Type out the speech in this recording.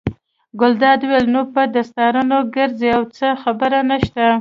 ګلداد وویل: نو په دستارونو ګرځئ او څه خبره نشته.